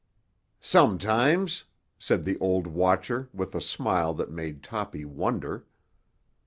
"Sometimes," said the old watcher with a smile that made Toppy wonder.